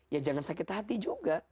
ya jangan sakit hati juga